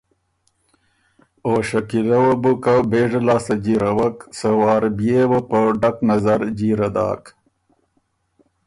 او شکیلۀ وه بُو که بېژه لاسته جیرَوَک سۀ وار بيې وه په ډک نظر جیره داک